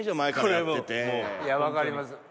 いや分かります。